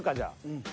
うん。